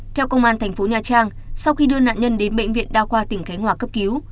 theo công an tp nha trang sau khi đưa nạn nhân đến bệnh viện đao khoa tỉnh khánh hòa cấp cứu